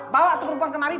bawa tuh perempuan kemari